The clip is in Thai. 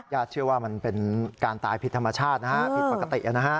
ญาติเชื่อว่ามันเป็นการตายผิดธรรมชาติผิดปกติ